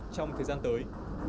trong thời gian tới